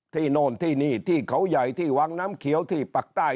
โน่นที่นี่ที่เขาใหญ่ที่วังน้ำเขียวที่ปักใต้